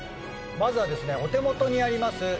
まずはお手元にあります